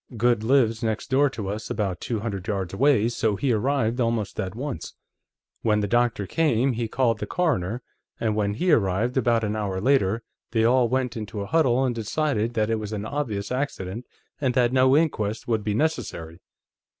Goode lives next door to us, about two hundred yards away, so he arrived almost at once. When the doctor came, he called the coroner, and when he arrived, about an hour later, they all went into a huddle and decided that it was an obvious accident and that no inquest would be necessary.